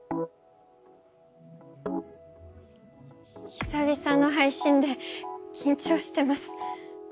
久々の配信で緊張してます。